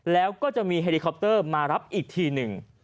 แล้วก็จะมีเฮลิคอปเตอร์มารับอีกทีหนึ่ง